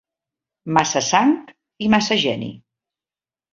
Massa sang i massa geni.